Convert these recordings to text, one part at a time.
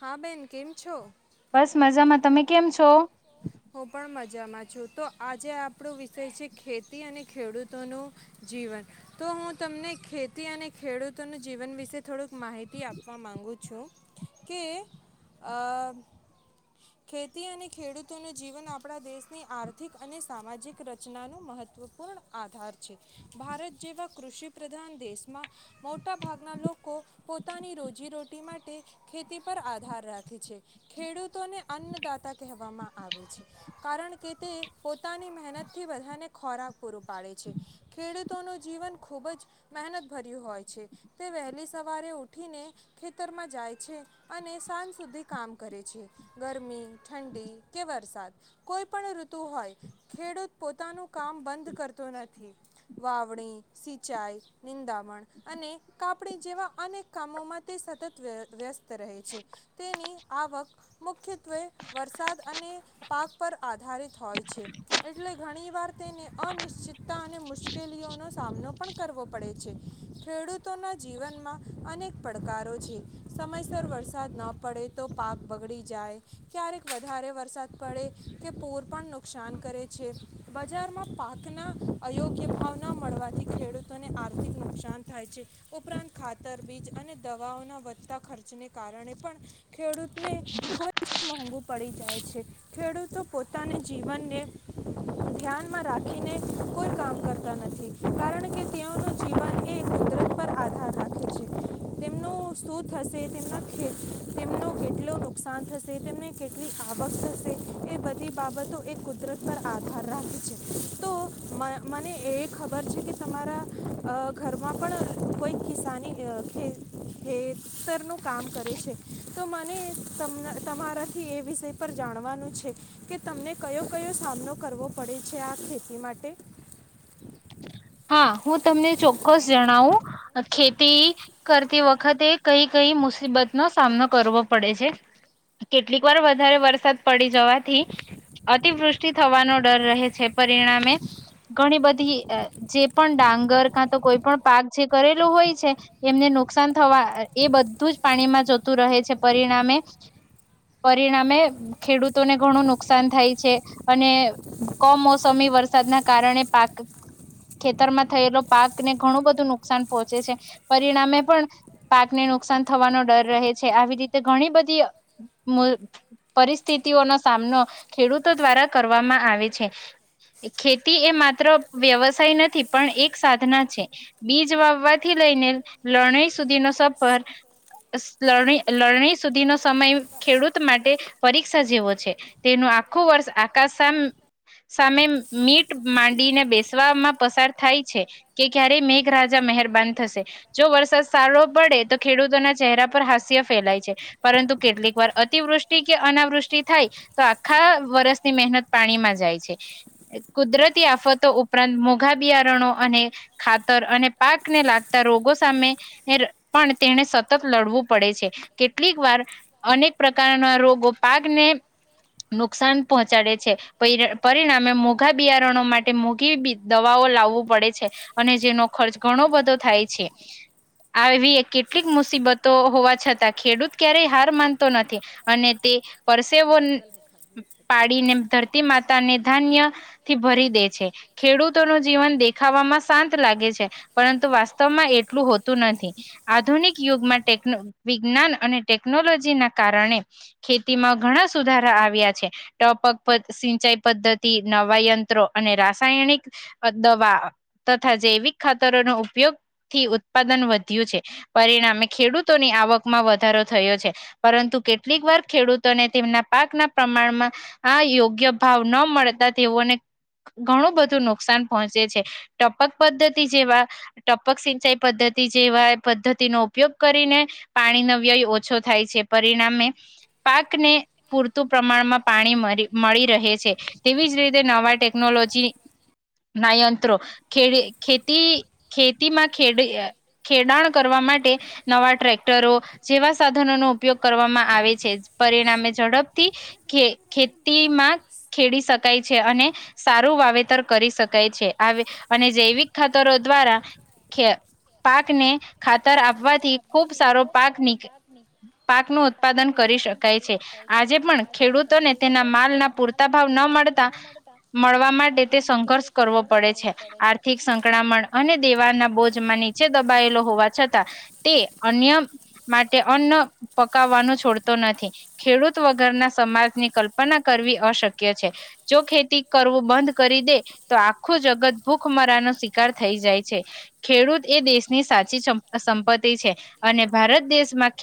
હા, બેન કેમ છો? મજામાં તમે કેમ છો? હું પણ મજામાં છું તો આજે આપણો વિષય છે ખેતી અને ખેડૂતોનું જીવન. તો હું તમને ખેતી અને ખેડૂતોનું જીવન વિશે થોડુંક માહિતી આપવા માંગુ છું, કે અ ખેતી અને ખેડૂત તોનું જીવન આપણા દેશની આર્થિક અને સામાજિક રચનાનું મહત્વપૂર્ણ આધાર છે. ભારત જેવા કૃષિ પ્રધાન દેશમાં મોટાભાગના લોકો પોતાની રોજી રોટી માટે ખેતી પર આધાર રાખે છે, ખેડૂતોને અન્નદાતા કહેવામાં આવે છે, કારણ કે તે પોતાની મહેનતથી બધાને ખોરાક પૂરું પાડે છે. ખેડૂતોનું જીવન ખૂબ જ મહેનતભર્યું હોય છે, તે વેહલી સવારે ઊઠીને ખેતરમાં જાય છે અને સાંજ સુધી કામ કરે છે. ગરમી, ઠંડી કે વરસાદ કોઈ પણ ઋતુ હોય ખેડૂત પોતાનું કામ બંધ કરતો નથી. વાવણી, સિંચાઈ, નિંદામણ અને કાપણી જેવા અનેક કામોમાં તે સતત વ્યસ્ત રહે છે, તેની આવક મુખ્યત્વે વરસાદ અને પાક પર આધારિત હોય છે, એટલે ઘણીવાર તેને અનિશ્ચિતતા અને મુશ્કેલીઓનો સામનો પણ કરવો પડે છે. ખેડૂતોના જીવનમાં અનેક પડકારો છે, સમયસર વરસાદ ન પડે તો પાક બગડી જાય ક્યારેક વધારે વરસાદ પડે કે પૂર પણ નુકસાન કરે છે. બજારમાં પાકના અયોગ્ય ભાવના મળવાથી ખેડૂતોને આર્થિક નુકસાન થાય છે, ઉપરાંત ખાતર, બીજ અને દવાઓના વધતા ખર્ચને કારણે પણ ખેડૂતને ખૂબજ મોંઘુ. પડી જાય છે, ખેડૂતો પોતાના જીવનને ધ્યાનમાં રાખીને કોઈ કામ કરતા નથી કારણ કે તેઓનું જીવન એ કુદરત પર આધાર રાખે છે, તેમનું શું થશે તેમના ખે તેમનો કેટલું નુકસાન થશે તેમને કેટલી આવક થશે એ બધી બાબતો એ કુદરત પર આધાર રાખે છે, તો મ મને એ ખબર છે, કે તમારા અ ઘરમાં પણ કોઈક કિસાની ખે ખેત સ્તર નું કામ કરે છે, તો મન ને તમને તમારા થી એ વિષય પર જાણવાનું છે, કે તમને કયો કયો સામનો કરવો પડે છે, આ ખેતી માટે? ખેતી કરતી વખતે કઈ કઈ મુસીબતનો સામનો કરવો પડે છે, કેટલીક વાર વધારે વરસાદ પડી જવાથી અતિવૃષ્ટિ થવાનો ડર રહે છે. પરિણામે ઘણી બધી એ અ જે પણ ડાંગર કાં તો કોઈ પણ પાક જે કરેલો હોય છે, એમને નુકસાન થવા એ બધું જ પાણીમાં જતું રહે છે, પરિણામે પરિણામે ખેડૂતોને ઘણું નુકસાન થાય છે, અને કમમોસમી વરસાદના કારણે પાક ખેતરમાં થયેલો પાકને ઘણું બધું નુકસાન પહોંચે છે, પરિણામે પણ પાકને નુકસાન થવાનો ડર રહે છે. આવી રીતે ઘણી બધી મું પરિસ્થિતિઓનો સામનો ખેડૂતો દ્વારા કરવામાં આવે છે. ખેતી એ માત્ર વ્યવસાયને નથી પણ એક સાધના છે, બીજ વાવવાથી લઈને લરણી સુધીનો સફર લરણી લરણી સુધીનો સમય ખેડૂત માટે પરીક્ષા જેવો છે. તેનું આખું વર્ષ આકાશ સા સામે મીટ માંડીને બેસવામાં પસાર થાય છે, કે ક્યારેય મેઘરાજા મહેરબાન થશે જો વરસાદ સારો પડે તો ખેડૂતોના ચહેરા પર હાસ્ય ફેલાય છે, પરંતુ કેટલીક વાર અતિવૃષ્ટિ કે અનાવૃષ્ટિ થાય તો આખા વરસની મહેનત પાણીમાં જાય છે. કુદરતી આફતો ઉપરાંત મુ મોઘા બિયારણો અને ખાતર અને પાકને લાગતા રોગો સામે પણ તેને સતત લડવું પડે છે, કેટલીક વાર અનેક પ્રકારના રોગો પાકને નુકસાન પહોંચાડે છે, પરિણામે મોઘા બિયારણો માટે મોઘી બી દવાઓ લાવવું પડે છે, અને જેનો ખર્ચ ઘણો બધો થાય છે. આવી કેટલીક મુસીબતો હોવા છતાં ખેડૂત ક્યારેય હાર માનતો નથી અને તે પરસેવો પાડીને ધરતી મા તાને ધાન્યથી ભરી દે છે. ખેડૂત તો નું જીવન દેખાવામાં શાંત લાગે છે. પરંતુ વાસ્તવમાં એટલું હોતું નથી આધુનિક યુગમાં ટેકનો વિજ્ઞાન અને ટેકનોલોજીના કારણે ખેતીમાં ઘણા સુધારા આવ્યા છે. ટપક સિંચાઈ પદ્ધતિ, નવા યંત્રો અને રાસાયણિક દવા તથા જૈવિક ખાતરોનો ઉપયોગથી ઉત્પાદન વધ્યું છે. પરિણામે ખેડૂતોની આવકમાં વધારો થયો છે, પરંતુ કેટલીક વાર ખેડૂતોને તેમના પાકના પ્રમાણમાં આ યોગ્ય ભાવ ન મળતા તેઓને ઘણું બધું નુક નુકસાન પહોંચે છે, ટપક પદ્ધતિ જેવા ટપક સિંચાઈ પદ્ધતિ જેવા પદ્ધતિનો ઉપયોગ કરીને પાણીનો વ્યય ઓછો થાય છે, પરિણામે પાકને પૂરતું પ્રમાણમાં પાણી મ મળી રહે છે, તેવી જ રીતે નવા ટેક નોલોગી નાયંત્રો ખેડી ખેતી ખેતીમાં ખે ખેડાણ કરવા માટે નવા ટ્રેક્ટરો જેવા સાધનોનો ઉપયોગ કરવામાં આવે છે. પરિણામે ઝડપથી ખે ખેતીમાં ખેડી શકાય છે, અને સારું વાવેતર કરી શકાય છે. અવે અને જૈવિક ખાતરો દ્વારા ખે પાકને ખાતર આપવા થી ખુબ સારો પાકની પાકનું ઉત્પાદન કરી શકાય છે. આજે પણ ખેડૂતોને તેના માલના પૂરતા ભાવ ન મળતા મળવા માટે તે સંઘર્ષ કરવો પડે છે. આર્થિક સંક્રામણ અને દેવાના બોજમાં નીચે દબાયેલો હોવા છતાં તે અન્ય માટે અન પકાવવાનું છોડતો નથી ખેડૂત વગરના સમાજની કલ્પના કરવી અશક્ય છે. જો ખેતી કરવું બંધ કરી દે તો આખું જગત ભૂખમરાનો શિકાર થઈ જાય છે. ખેડૂત એ દેશની સાચી સંપ સંપત્તિ છે. અને ભારત દેશમાં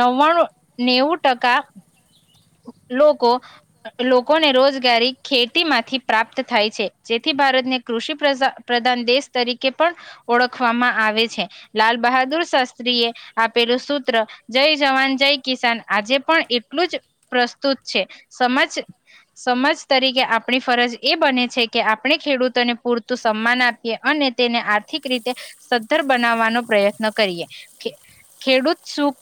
નવ્વાણું નેવું ટકા લોકો લોકોને રોજગારી ખેતી માંથી પ્રાપ્ત થાય છે. જેથી ભારતને કૃષિ પ્રસા પ્રધાન દેશ તરીકે પણ ઓળખવામાં આવે છે. લાલ બહાદુર શાસ્ત્રી એ આપેલું સૂત્ર જય જવાન જય કિસાન આજે પણ એટલું જ પ્રસ્તુત છે. સમજ સમાજ તરીકે આપણી ફરજ એ બને છે. કે આપણે ખેડૂતોને પૂરતું સન્માન આપીએ અને તેને આર્થિક રીતે સદ્ધર બનાવવાનો પ્રયત્ન કરીએ. ખે ખેડૂત સુખ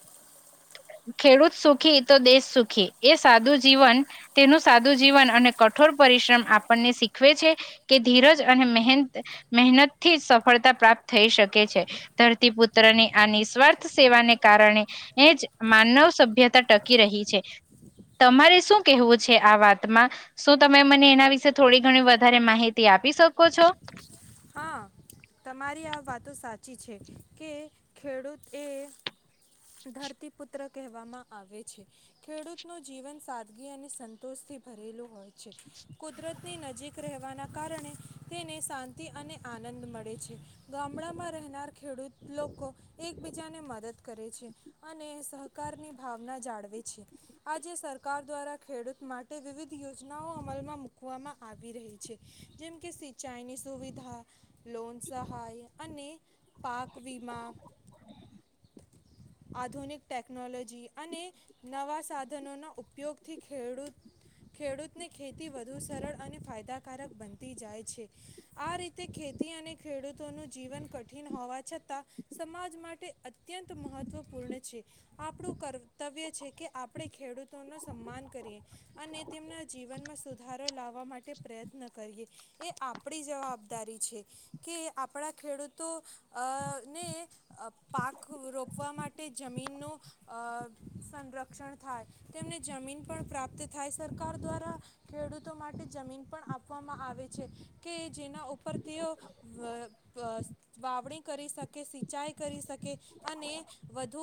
ખેડૂત સુખી તો દેશ સુખી. એ સાદું જીવન તેનું સાદું જીવન અને કઠોર પરિશ્રમ આપણને શીખ શીખવે છે, કે ધીરજ અને મેક મહેનત મહેનતથી સફળતા પ્રાપ્ત થઈ શકે છે, ધરતીપુત્રની આ નિસ્વાર્થ સેવાને કારણે એજ માનવ સભ્યતા ટકી રહી છે. તમારે શું કેવું છે. આ વાતમાં શું તમે મને એના વિશે થોડી ઘણી વધારે માહિતી આપી શકો છો. હા તમારી આ વાતો સાચી છે. કે ખેડૂત એ ધરતીપુત્ર કહેવામાં આવે છે. ખેડૂતનુ જીવન સાદગી અને સંતોષથી ભરેલું હોય. છે. કુદરત ની નજીક રહેવાના કારણે તેને શાંત તી અને આનંદ મળે છે. ગામડામાં રહેનાર ખેડૂત લોકો એકબીજાને મદદ કરે છે અને સહકારની ભાવના જાળવે છે. આજે સરકાર દ્વારા ખેડૂત માટે વિવિધ યોજનાઓ અમલમાં મૂકવામાં આવી રહી છે. જેમ કે સિંચાઈની સુ સુવિધા, લોન સહાય અને પાક વીમા આધુનિક ટેકનોલોજી અને નવા સાધનોના ઉપયોગથી ખેડૂત ખેડૂતને ખેતી વધુ સરળ અને ફાયદાકારક બનતી જાય છે. આ રીતે ખેતી અને ખેડૂતોનું જીવન કઠિન હોવા છતાં સમાજ માટે અત્યંત મહત મહત્વપૂર્ણ છે. આપણું કર્તવ્ય છે કે આપણે ખેડૂતોનો સન્માન કરીએ અને તેમના જીવનમાં સુધારો લાવવા માટે પ્રયત્ન કરીએ એ આપણી જવાબદારી છે, કે આપણા ખેડૂતો અહ ને પાક રો રોપવા માટે જમીનનું અહ સંરક્ષણ થાય, તેમને જમીન પણ પ્રાપ્ત થાય સરકાર દ્વારા ખેડૂતો માટે જમીન પણ આપવામાં આવે છે કે જેના ઉપર તેઓ વ-વ વાવણી કરી શકે, સિંચાઈ કરી શકે અને વધુ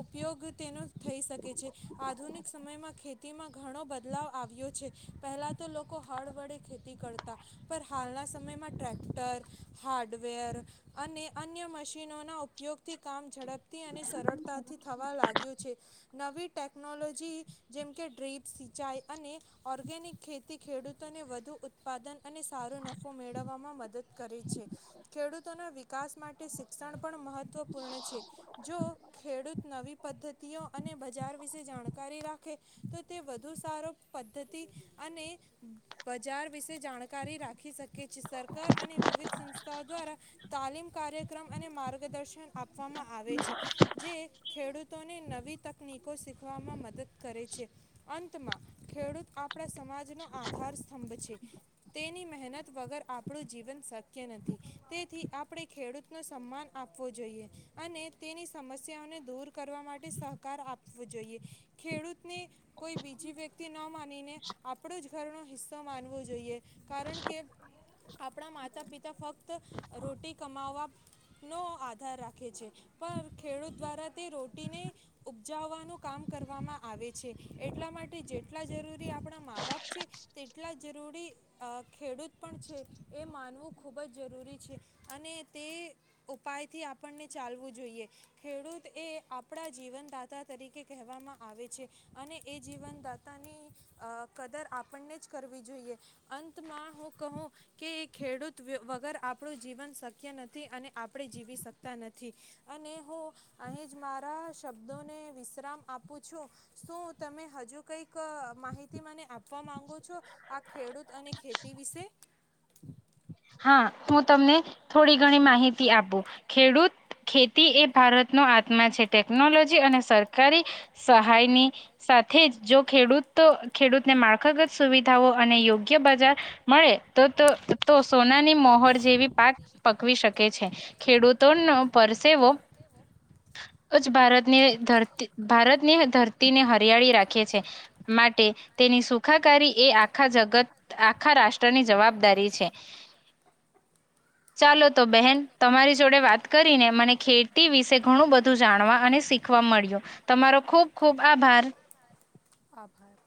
ઉપયોગ તેનો થઈ શકે છે. આધુનિક સમયમાં ખેતીમાં ઘણો બદલાવ આવ્યો છે. પહેલા તો લોકો હળ વડે ખેતી કરતા પણ હાલના સમયમાં ટ્રેક્ટર, હાર્ડવેર અને અન્ય મશીનોના ઉપયોગથી કામ ઝડપ ડપથી અને સરળતાથી થવા લાગ્યો છે. નવી ટેકનોલોજી જેમકે ડ્રીપ સિંચાઈ અને ઓર્ગેનિક ખેતી ખેડૂતોને વધુ ઉત્પાદન અને સારો નફો મેળવવામાં મદદ કરે છે. ખેડૂતોના વિકાસ માટે શિક્ષણ પણ મહત્વપૂર્ણ છે. જો ખેડૂત નવી પદ્ધતિઓ અને બજાર વિશે જાણકારી રાખે તો તે વધુ સારો પદ્ધતિ અને બજાર વિશે જાણકારી રાખી શકે છે. સરકાર અને વિવિધ સંસ્થાઓ દ્વારા તાલીમ કાર્યક્રમ અને માર્ગદર્શન આપવામાં આવે છે. છે. જે ખેડૂતોને નવી તકનીકો શીખવામાં મદદ કરે છે. અંતમાં ખેડૂત આપ આપડા સમાજ નો આધાર સ્તંભ છે. તેની મહેનત વગર આપણું જીવન શક્ય નથી, તેથી આપણે ખેડૂતનો સન્માન આપવો જોઈએ અને તેની સમસ્યાઓને દૂર કરવા માટે સહકાર આપવો જોઈએ. ખેડૂતને કોઈ બીજી વ્યક્તિ ન માનીને આપડુ જ ઘરનો હિસ્સો માનવો જોઈએ. કારણ કે આપણા માતા પિતા તા ફક્ત રોટી કમાવાનો આધાર રાખે છે. પણ ખેડૂત દ્વારા તે રોટીને ઉપજાવવાનું કામ કરવામાં આવે છે, એટલા માટે જેટલા જરૂરી આપણા માં-બાપ છે, તેટલા જરૂરી અહ ખેડૂત પણ છે એ માનવું ખૂબજ જરૂરી છે, અને તે ઉપાયથી આપણને ચાલવું જ જોઈએ. ખેડૂત એ આપડા જીવનદાતા તરીકે કહેવામાં આવે છે, અને એ જીવનદાતાની અહ કદર આપણને જ કરવી જોઈએ. અંતમાં હું કહું કે ખેડૂત વે વગર આપણું જીવન શક્ય નથી અને આપણે જીવી શકતા નથી. અને હું અહીં જ મારા શબ્દોને વિશ્રામ આપું છું. શું તમે હજુ કંઈક માહિતી મને આપવા માંગો છો, આ ખેડૂત અને ખેતી વિશે? હા, હું તમને થોડી ઘણી માહિતી આપું, ખેડૂત ખેતી એ ભારતનો આત્મા છે. ટેકનોલોજી અને સરકારી સહાયની સાથજ જો ખેડૂત ખેડૂતને માળખાગત સુવિધાઓ અને યોગ્ય બજાર મળે તો તો, તો નાની મહોર જેવી પાક પકવી શકે છે. ખેડૂતોનો પરસેવો જ ભારતની ધરત ભારતની ધરતીને હરિયાળી રાખે છે, માટે તેની સુખાકારી એ આખા જગત, આખા રાષ્ટ્રની જવાબદારી છે. ચાલો તો બહેન તમારી જોડે વાત કરીને મને ખેતી વિશે ઘણું બધું જાણવા અને શીખવા મળ્યું. તમારો ખુબ ખુબ આભાર. આભાર.